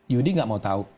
judi nggak mau tahu